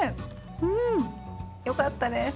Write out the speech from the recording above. うん！よかったです。